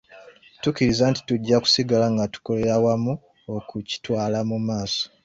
Tukkiriza nti tujja kusigala nga tukolera wamu okukitwala mu maaso .